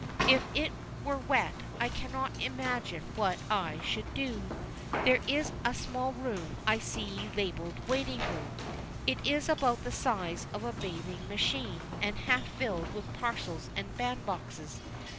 If it were wet I cannot imagine what I should do. There is a small room I see labelled "Waiting Room." It is about the size of a bathing machine and half filled with parcels and bandboxes.